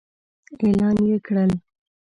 اعلان يې کړل.